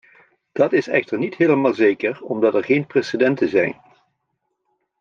Dat is echter niet helemaal zeker, omdat er geen precedenten zijn.